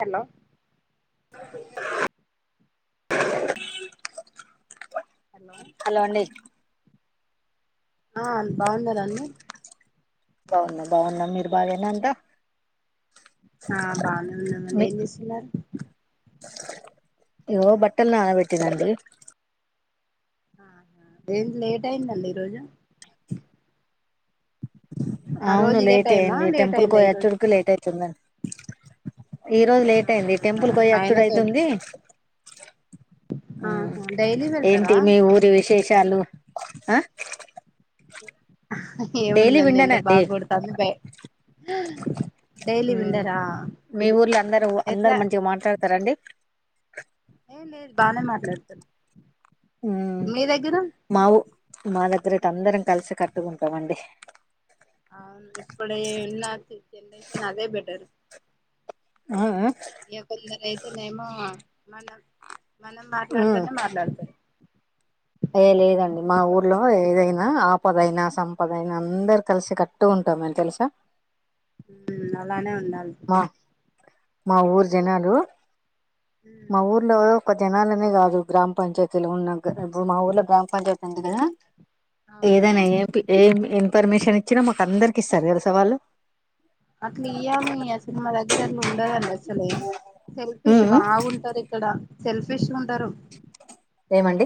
Hello hello అండి ఆ బాగునరఅండి బాగున్నా బాగున్నా మీరు బాగేనా అంటా ఆ బానే ఉన్నా మంట ఏం చేసన్నారు ఎమో బట్టలు నానబెట్టినండి ఆ ఏం లేట్ అయిందం ఈరోజు అవును లేట్ అయ్యంది లేట్ టెంపుల్కి అయిందా ఈ పోయా రోజు చరికి లేట్ అవుతుందండి ఈ రోజు లేట్ అయింది అవునా టెంపుల్కియ యాక్చడ ఆయన చ అయితుంది ఆహా డైలీ వెళ్తారా ఏంటి మీ ఊరి విశేష చాలు ఆ [inaudible] డైలీ ఏముందండి ఎంట విండనండి బాగు కొడతాంది బ డైలీ ఉమ్ ఉండరా ఎట్లా తరండి ఏం లేదు బానే మాట్లాడుతున్ ఉమ్ మీ దగ్గిరు మా ఊ మా దగ్గరతే అందరం కలిసి కట్టుగుంటామండి అవును ఇప్పుడే నాకీ జెనరేషన్ అదే బెటర్ ఆ ఆ ఇగ కొందరైతేనేేమో మన మనం ఉమ్ మాట్లాడతనే మాట్లాడుతారు ఆపదయినా సంపదయినా అందరు కలిసి కట్టు ఉంటాం మేం తెలుసా ఉమ్ అలానే ఉంది [unintelligible] మా మా ఊరు జనాలు మా ఊర్లో కొత్త జనాలనే కాదు గ్రామ పంచాయత్ తెలుగున్నంక మా ఊర్లో గ్రామ పంచాయతీ ఉంది కదా ఏదైనా ఏ అవునవును ఏ ఇన్ఫర్మేషన్ వచ్చినా మాకు అందరికి ఇస్తారు తెలుసా వాళ్లు అట్ల ఇయామి. అస్ సినిమా దగ్గర అట్లా ఉండదండి అస్సలు సెల్ఫిష్ ఉమ్, బాగుంటది ఇక్కడ సెల్ఫిష్ గుం ఏమండి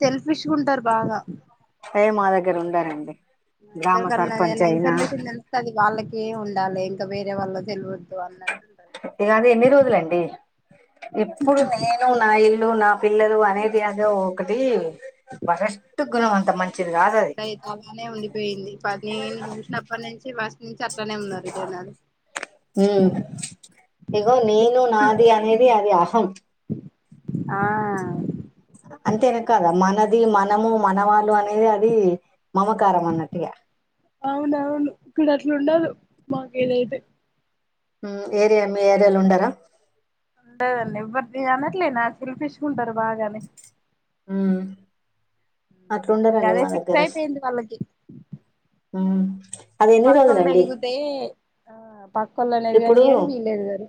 సెల్ఫిష్ గుంటారు బాగా హే మా దగ్గర ఉండరండి గ్రామ ఎవరికన్నా సర్పంచ్ అయినా ఏ ఉండాలి ఇంకా వేరే వాళ్ళ తెలియద్దు అన్నది ఇగ అది ఎన్ని రోజులండి ఎప్పుడు నేను నా ఇల్లు నా పిల్లలు అనేది అదే ఒకటి వరస్ట్ గుణం అంత ఏమో మంచిది కాదు అది ఇక్కడైతే అలానే ఉండిపోయింది ప నేను చూసినప్పటి నుంచి వ ఉ ఇగో నేను నాది అనేది అది ఆ హమ్ ఆ అంతేనా కాదా మనది మనము మనవాళ్ళు అని అని అది మమకారమన్నటుగా అవునవును ఇక్కడ అట్లు ఉండదు మాకేదైతే ఏరియా మీ ఏరియాలో ఉండరా ఉండదండి ఎవ్వరి అనట్లే నా సెల్ఫిష్కుంటారు బాగానే ఊ అట్లుండరండి అదే మా ఫిక్స్ దగ్గర అయిపోయింది వాళ్ళకి ఊ పక్కొల్లు ఎదిగితే ఆ పక్కోళ్ళని ఇప్పుడు ఎదగనియ్యరు వీళ్ళు ఎదగరు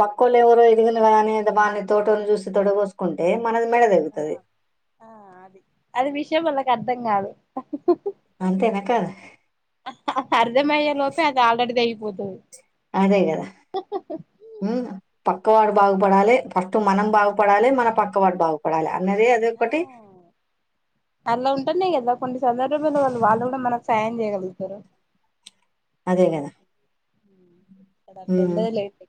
పక్కోళ్లు ఎవరో ఎద నే వనే తోటోను చూసి తోడ పోసుకుంటే మనది మెడ తెగుతది ఆ అది అది విషయం వాళ్ళకి అర్థం కాదు అంతేనా కదా అర్ధమయ్యే లోపే అది ఆల్రెడీది అయిపో వదుదు అదే కదా ప పక్క వాడు బాగుపడాలి ఫస్ట్ మనం బాగుపడాలి మన పక్క వాడు బాగుపడాలి అన్నది అది ఆ ఒకటి అలా ఉంటానే కదా కొన్ని సందర్భంద వాళ్ళు వాళ్ళు కూడా మనకు సాయం చేయగల క అదే కదా కడ అక్కడు ఉమ్ లేలట్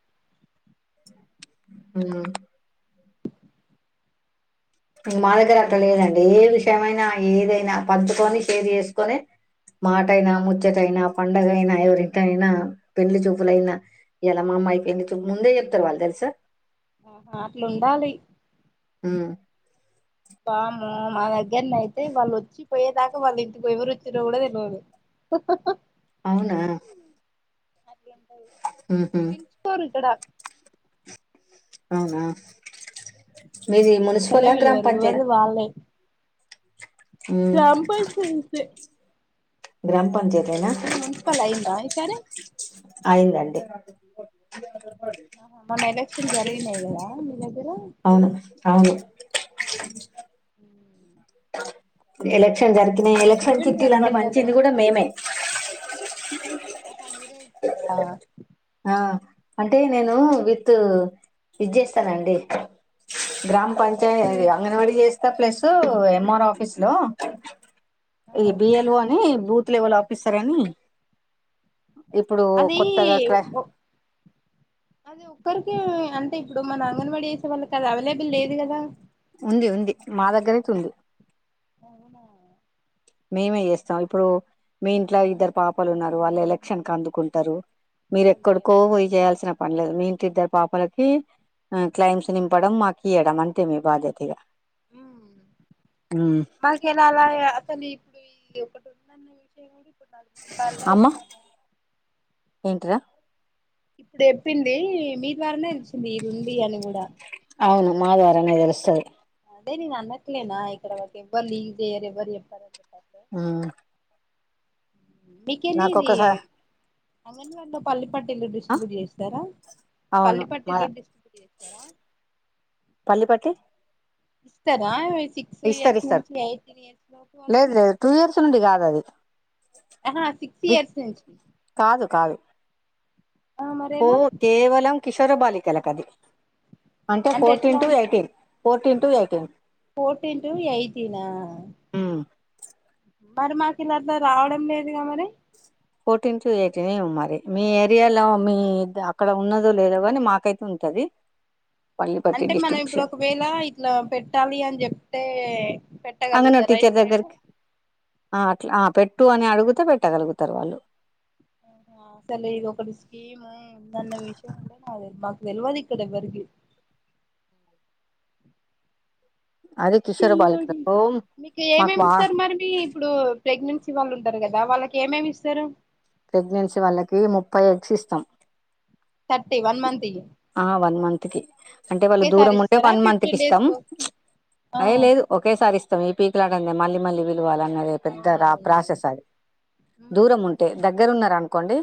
ఉ ఇ మా దగ్గర అట్లా లేదండి ఏ విషయమైనా ఏదైనా పంచుకొని షేర్ చేసుకొని మాట అైనా ముచ్చటైనా పండగ అయినా ఎవరింటి అయినా పెళ్లి చూపులైనా ఎలా మా అమ్మాయి పెళ్లి చూపు ముందే చెప్తారు వాళ్ళు తెలుసా ఆహా అట్లు ఉండాలి ఆ బాముో మా దగ్గరని అయితే వాళ్ళు వచ్చిపోయేదాకా వాళ్ళు ఇంటికి ఎవరు వచ్చినా కూడా తెలిదు అవునా ఉహు పిలుసుుకోవరు ఇక్కడ ఆ ఆ మీది అసలే మున్సిపల్ గ్రామ పిలవరు ఎవరిది పంచాయత్ రాం పంచా గ్రామ పంచయత్ ఇది మున్సిపల్ అయిందా ఈ సారి అయిందండి ఆహా మొన్న ఎలక్షన్ జరిగినాయి్ కదా మీ దగ్గర అవును అవును ఎలా ఎ జరికి మరి ఎప్పుడు ఎలక్షన్ పిండుతారు చిటీలన్నీ బట్టలు మంచిది కూడా మేమే ఆహా మీరే ఇచ్చిరా ఆ అంటే నేను విత్ ఇది చేస్తానండి గ్రామ పంచయ ఏది అంగన వాడి చేస్త ప్లస్ ఎంఆర్ ఆఫీస్ లో ఆ ఈ బియల్ని బ వల్ ఆఫీసర్ అని ఇప్పుడు కొత్తగా క అదే ఒక్కరికి అంటే ఇప్పుడు మన అంగన్వాడీ వేసే వాళ్ళకి అది అవైలబుల్ లేదు కదా ఉంది ఉంది మా దగ్గరైతే ఉంది అవునా మేమే చేస్తాం ఇప్పుడు మీ ఇంట్లో ఇద్దరు పాపలు ఉన్నారు వాళ్ళు ఎలక్షన్ క అందుకుంటారు మీర అదే ఎక్కడికో పోయి చేయాల్సిన పన్లేదు మీ ఇంటిద్దరు పాపలకి క్లైమ్స్ నింపడం మాకు ఇయ్యడం అంతే మీ బాధ్యతఇక మాకెలా అలా కానీ ఇప్పుడు ఇది ఒకటి ఉందన్న విషయం కూడా మీ కాళ తెలిసింది [unintelligible] ఎంట్రా ఇప్పుడు చెప్పింది మీ ద్వారానే తెలిసింది ఇదుంది అని కూడా అవును మా ద్వారానే తెలుస్తది అదే నే ననట్లేనా ఇక్కడ వరకెవ్వరు లీక్ జేయరు ఎవ్వరు చెప్పరు అని ఆ మీకెళ్ళి ఇది అంగన్వాడలో పల్లి పటీలు డిస్ట్రిబ్యూట్ చేస్తారా అవును పల్లి మా పటీలు డిస్ట్రిబ్యూట్ చేస్తారా పల్లిపట్టీ ఇస్తర ఇస్తారు ఇస్తారు లేదు వాళ్ళకి లేదు టూ ఇయర్స్ నుండి కాదు అది ఆహా సిక్స్ విత్ ఇయర్స్ నుంచి కాదు కాదు ఆ ఫో మరేలా కేవలం కిషోర బాలికల కది అంటే fourteen to eighteen fourteen to eighteen fourteen to ఎయిటీనా [unintelligible] మరి మాకు [unintelligible] ఇలాలా రావడం లేదుగా మరి ఫోర్టీన్ టు ఎయిటీనెమో మరి మీ ఏరియాలో మీ అక్కడ ఉన్నదో లేదో కాని మాకైతే ఉంటది పల్లిపట్టి అంటే మనం ఇప్పుడు డిస్ట్రిబ్యూషన్ ఒకవేళ ఇట్లా పెట్టాలి అని చెప్తే అంగనే పెట్టగలుగుతా టీచర్ రైట్ సైడ్ దగ్గరికి ఆ అట్లా ఆ పెట్టు అని అడుగుతే పెట్టగలుగుతారు వాళ్ళు అసలు ఇది ఒకటి స్కీమ్ ఉందన్న విషయం కూడా నా తెల్వదిక్కడ ఎవ్వరికి అది కిషోర బాలికలకు మాకు మీకేమేమి బా ఇస్తరు మరి మీ ఇప్పుడు ప్రెగ్నెన్సీ వాళ్ళు ఉంటరు కదా వాళ్ళకి ఏమేమి ఇస్తరు ప్రెగ్నెన్సీ వాళ్ళకి ముప్పై ఎగ్స్ ఇస్తం థర్టి వన్ మంత్ కి ఆ వన్ మంత్ కి అంటే వాళ్ళు ఒకేసారి దూరం ఉంటే ఇస్తారా వన్ మంత్ కి ఫిఫ్టీన్ డేస్ ఇస్తం కో ఆ యే లేదు ఒకేసారి ఇస్తం ఎ పి ఎలాడండి [unintelligible] మల్లి మల్లి వాల్లన్నదే పెద్ద అవునవునవును ప్రాసెస్ అది ఉమ్, దూరం ఉంటే దగ్గరున్న అనుకోండి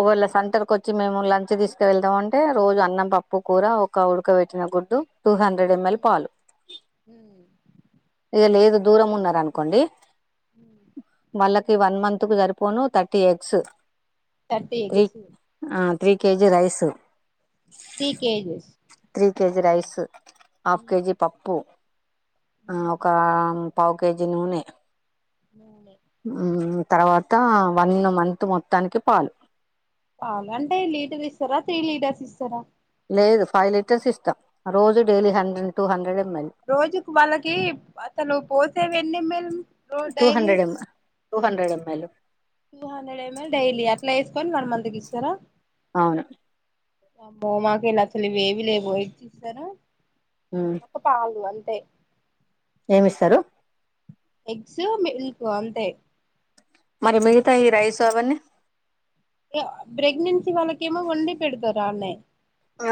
ఒకేళ సెంటర్ కు వచ్చి మేము లంచ్ తీసుక వెల్తాం అంటె అంటే రోజు అన్నం పప్పు కూర ఒక ఉడక పెట్టిన గుడ్డు టు హండ్రెడ్ ఎంఎల్ ఉమ్, పాలు ఉమ్, ఇగ లేదు దూరం ఉన్నారనుకోండి ఉమ్. మల క్ ఈ వన్ మంత్ కు సరిపోను తర్టీ ఎగ్స్ థర్టీ త్రీ ఆ three KG rice three kgs KG rice half KG పప్పు ఆ ఉమ్, ఒక పావు కేజీ నూనె నూనె హు తర్వాత వన్ మంత్ మొత్తానికి పాలు పాలంటే లీటర్ ఇస్తరా త్రీ లీటర్స్ ఇస్తరా లేదు ఫైయ్ లీటర్స్ ఇస్తం రోజు daily hundred two hundred ML రోజుకు వాళ్ళకీ అసలు పోసేవెన్నీ M L two daily hundred ఎం two hundred ML two hundred M L daily అట్లా ఎసుకొని వన్ మంత్కి ఇస్తారా అవును అమ్మో మాకు ఇడ అసలు ఇవేవి లేవోయ్ ఉమ్, ఒక్క పాలు అం ఎ ఏమిస్తారు ఎగ్స్ మిల్క్ అంతే మరి మిగతా ఈ రైస్ అవన్నీ ఆన్నే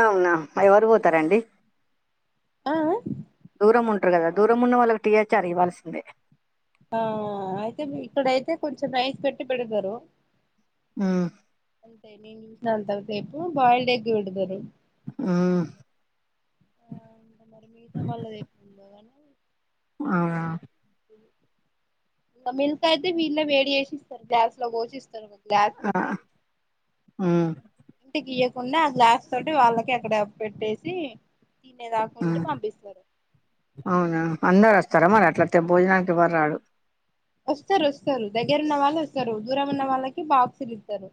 అవునా ఆ ఎవరు పోతారండి ఆ దూరం ఉంట కదా దూరం ఉన్న వాళ్ళకి టీహెచ్ఆర్ ఇవ్వాల్సిందే ఆ అయితే ఇక్కడైతే కొంచెం రైస్ పెట్టి పెడతారు ఆ అంత అంతవ తేపు బబాయిల్డ్ ఎగ్ పెడతారు ఉమ్, ఆ అ మరి మిగతా వాళ్ళది ఎక్కు ఉందాగానీ అవునా ఇకా మిల్క్ అయితే వీళ్ళే వేడి వేసి ఇస్తారు గ్లాస్ లో పోచిస్తారు ఆ ఊ ఉన్న ఆ గ్లాస్ తోటి వాళ్ళకి అక్కడ పెట్టేసి ఆ తినేదాకుంటే పంపిస్తారు అవునా అందరు స్తారా మరి అట్లయితే భోజనానికి ఎవ్వర్రర వస్తారు వస్తారు దగ్గర ఉన్న వాళ్ళు వస్తారు దూరం ఉన్న వాళ్ళకి బాక్సులు ఇస్తారు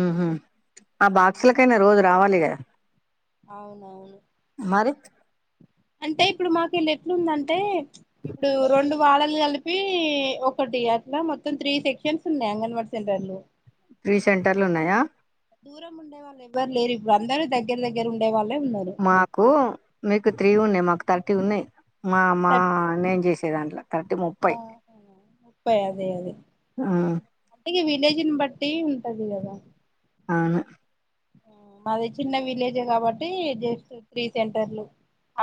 ఉహ ఆ బాక్సులకైనా రోజు రావాలి కదా అవునవును మరి అంటే ఇప్పుడు మాకు వీళ్ళు ఎట్లుందంటే ఇప్పుడు రెండు వాడలు కలిపి ఒకటి అట్లా మొత్తం త్రీ సెక్షన్స్ ఉన్నాయి అంగన్వాడ సెంటర్ లో ప్రీ సెంటర్లు ఉన్నాయా దూరం ఉండేళ్ళ ఎవరుప్పుడు అందరుూగ్గ దగ్గర ఉేళ్ళు మాకు మీకు త్రీ ఉన్నాయి మాకు థర్టీ ఉన్నాయి్ మా మా థట్ నేను చేసే దాంట్లో థర్టీ ముప్పై ఆ ముప్పై అదే అదే అంటే ఇగ విలేజ్ని బట్టి ఉంటది కదా అవును మాది చిన్న విలేజ్ కాబట్టి జస్ట్ త్రీ సెంటర్లు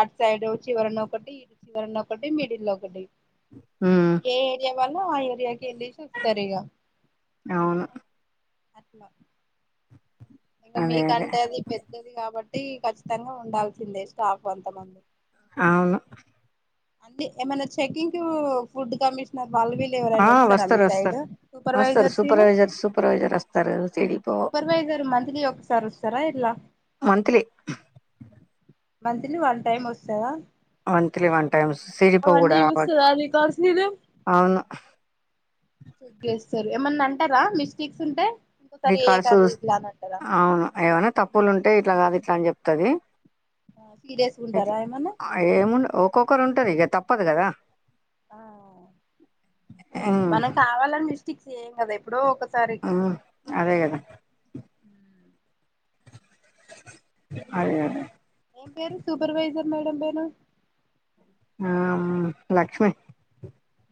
అటు సైడ్ చివర ఒకటి ఇ చివర ఒకటి మిడిల్ ఒకటి ఆ ళ్రియాకి కేలి సస్తతారేగా అవును అట్లా ఇంకా అదే అదే మీకంటే అది పెద్దది కాబట్టి ఖచ్చితంగా ఉండాల్సిందే స్టాఫ్ అంతమంది అవును అంటే ఏమైన్నా చెకింగ్ ఫుడ్ కమిషనర్ వాళ్ళ వీళు ఆ ఎవరైనా వస్తారా మీ వస్తారు సైడ్ వస్తారు వస్తారు సూపర్వైజర్స్నా సూపర్వైజర్ సూపర్వైజర్ వస్తారు సిడిపో సూపర్వైజర్ మంత్లీ ఒకసారి వస్తారా ఇలా మంత్లీ మంత్లీ వన్ టైమ్ వస్తుందా వంత్లీ వంత టైస్ సీపో కూడాడ రావచ్చు చూస్తారా రికార్డ్స్ గిన అవును చెక్ చేస్తారు ఏమన్నా అంటారా మిస్టేక్స్ ఉంటాయి రికార్ల్ చూ అవును అయవనా తప్పులు ఉంటేయి ఇట్లా కాదు ఇట్లా అని చెప్తది సీరియస్గా ట్లా ఉంటారా ఏమన్నా ఏముండ ఒక్కొక్కరు ఉం ఇ తప్పదు గదా ఆ ఉమ్ మనం కావాలని ఇస్త క్స్ చే ఏం కదా ఇప్పుడు ఒక ఆ అదే కదా అదే అదే ఏం పేరు సూపర్వైజర్ మేడం పేరు ఆ లక్ష్మి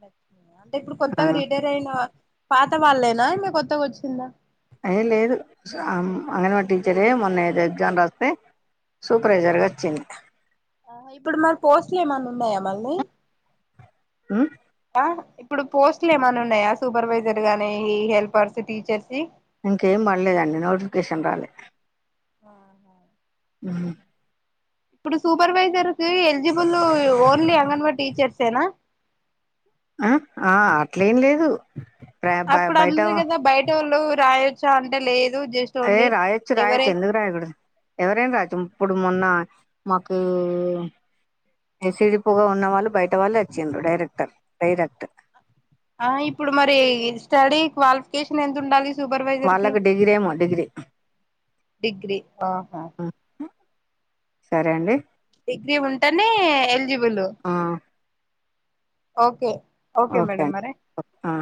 చ్చమ అంటే ఇప్పుడు ఆ కొత్తగా రీడర్ అయిన పాత వాళ్ళేనా ఇమె కొత్తగా వచ్చిందా అ లేదు అంగన్వాడి టీచరే మొన్న ఎగ్జామ్ రాస్తే సూపర్వైజర్ గా వచ్చింది ఆ ఇప్పుడు మరి పోస్ట్లు ఏమన్నా ఉన్నాయా మళ్ళి ఆమ్ ఇప్పుడు పోస్ట్లు ఏమైన్నా ఉన్నాయా సూపర్వైజర్ గానీ హెల్పర్స్ టీచర్స్ ఇంకేం పడలేదండి నోటిఫికేషన్ రాలే ఆహా ఆ హుమ్ ఇప్పుడు సూపర్వైజర్ ఎలిజిబల్ ఓన్లీ అంగన్వా టీచర్స్ ఏనా ఆ ఆ అట్లేం లేదు అప్పుడు బయట అందరు కదా బయట వాళ్ళు రాయొచ్చా అంటే లేదు జస్ట్ అయ ఓన్లీ రాయొచ్చు రాయొచ్చు ఎవరై ఎందుకు రాయకూడదు ఎవరైనా రావొచ్చు ఇప్పుడు మొన్న మాకు ఎసిడి పోగా ఉన్న వాళ్ళు బయట వాళ్ళు వచ్చిండ్రు డైరెక్టర్ డైరెక్ట్ ఆ ఇప్పుడు మరి స్టడీ క్వాలిఫికేషన్ ఎంత ఉండాలి సూపర్వైజర్ కి వాళ్ళకు డిగ్రీ ఏమో డిగ్రీ డిగ్రీ ఆహా సరే అండి డిగ్రీ ఉంటేనే ఎల్జిజి వెలు ఓకే ఓకే మేడం అం మరి ఓ ఆ